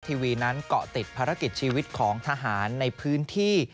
ทีวีนั้นเกาะติดภารกิจชีวิตของทหารในพื้นที่